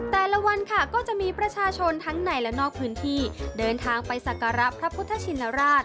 แต่ละวันค่ะก็จะมีประชาชนะอันงามที่เดินทางไปสักการะพระพุทธชินราช